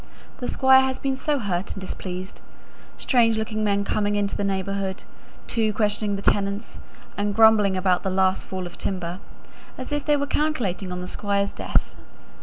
The Squire has been so hurt and displeased: strange looking men coming into the neighbourhood, too, questioning the tenants, and grumbling about the last fall of timber, as if they were calculating on the Squire's death."